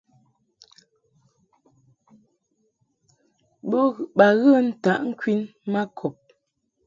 Ba ghə ntaʼ ŋkwin ma kɔb.